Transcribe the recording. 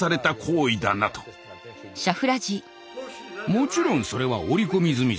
もちろんそれは織り込み済みさ。